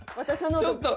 ちょっと。